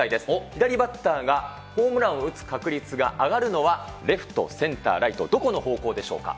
左バッターがホームランを打つ確率が上がるのはレフト、センター、ライト、どこの方向でしょうか。